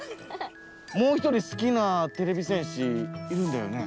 もう一人すきなてれび戦士いるんだよね？